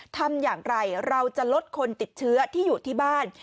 ทำอย่างไรเราจะลดคนติดเชื้อที่อยู่ที่บ้าน